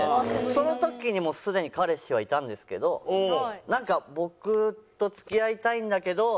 その時にすでに彼氏はいたんですけど僕と付き合いたいんだけど。